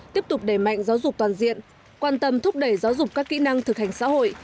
tiếp tục đẩy mạnh giáo dục toàn diện quan tâm thúc đẩy giáo dục các kỹ năng thực hành xã hội